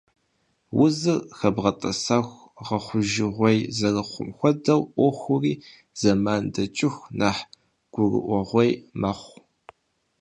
Узыр хэбгъэтӀэсэху гъэхъужыгъуей зэрыхъум хуэдэу Ӏуэхури, зэман дэкӀыху, нэхъ гурыӀуэгъуей мэхъу.